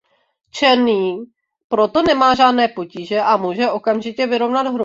Černý proto nemá žádné potíže a může okamžitě vyrovnat hru.